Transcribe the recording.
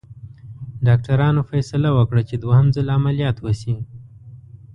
ډاکټرانو فیصله وکړه چې دوهم ځل عملیات وشي.